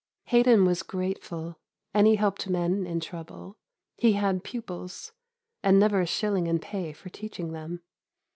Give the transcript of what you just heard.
Haydon was grateful, and he helped men in trouble; he had pupils, and never a shilling in pay for teaching them.